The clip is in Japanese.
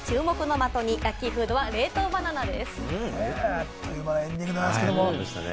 あっという間のエンディングですけれども。